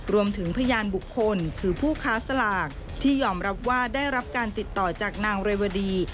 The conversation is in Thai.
พยานบุคคลคือผู้ค้าสลากที่ยอมรับว่าได้รับการติดต่อจากนางเรวดี